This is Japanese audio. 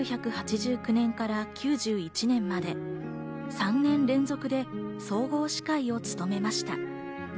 １９８９年から９１年まで３年連続で総合司会を務めました。